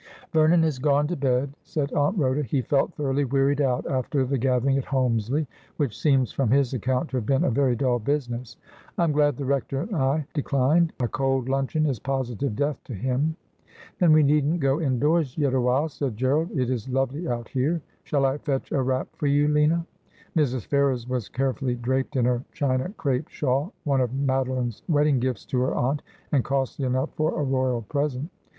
' Vernon has gone to bed,' said Aunt Rhoda ;' he felt thoroughly wearied out after the gathering at Holmsley, which seems from his account to have been a very dull business. I am glad the Rector and I declined. A cold luncheon is positive death to him.' ' Then we needn't go indoors yet awhile,' said Gerald. ' It is lovely out here. Shall I fetch a wrap for you, Lina ?' Mrs. Ferrers was carefully draped in her China crape shawl, one of Madeline's wedding gifts to her aunt, and costly enough for a royal present.